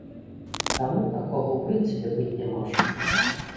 Таму такога ў прынцыпе быць не можа.